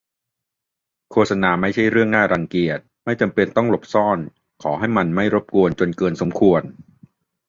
โฆษณาไม่ใช่เรื่องน่ารังเกียจ ไม่จำเป็นต้องหลบซ่อน ขอให้มันไม่รบกวนจนเกินสมควร